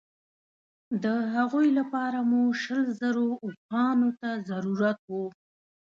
د هغوی لپاره مو شلو زرو اوښانو ته ضرورت وو.